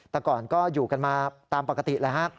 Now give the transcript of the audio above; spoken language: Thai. แต่ก่อนก็อยู่กันมาตามปกติแล้วฮะ